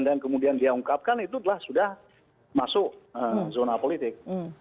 dan kemudian dia ungkapkan itu adalah sudah masuk zona politik